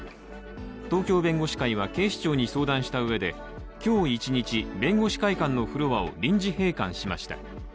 東京弁護士会は、警視庁に相談したうえで今日一日、弁護士会館のフロアを臨時閉館しました。